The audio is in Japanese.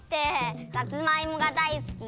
さつまいもがだいすきで。